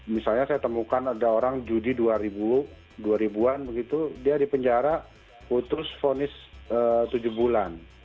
misalnya saya temukan ada orang judi dua ribu an begitu dia di penjara putus vonis tujuh bulan